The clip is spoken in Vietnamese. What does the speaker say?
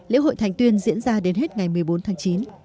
lễ hội thành tuyên diễn ra đến hết ngày một mươi bốn tháng chín